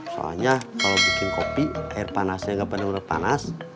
soalnya kalau bikin kopi air panasnya gak bener bener panas